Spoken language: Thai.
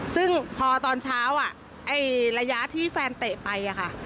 คือพอตอนเช้าอ่ะระยะที่แฟนเตะไปค่ะ